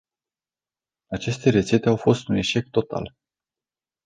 Aceste rețete au fost un eșec total.